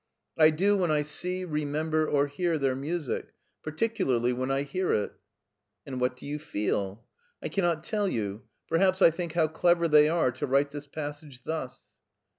" I do when I see, remember, or hear their music, particularly when I hear it/' " And what do you feel ?" "I cannot tell you. Perhaps I think how clever they are to write this passage thus."